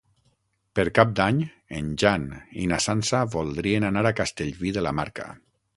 Per Cap d'Any en Jan i na Sança voldrien anar a Castellví de la Marca.